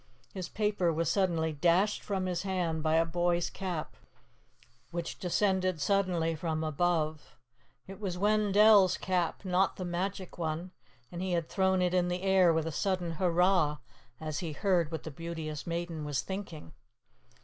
His paper was suddenly dashed from his hand by a boy's cap, which descended suddenly from above. It was Wendell's cap, not the magic one, and he had thrown it in the air with a sudden "Hurrah!" as he heard what the Beauteous Maiden was thinking.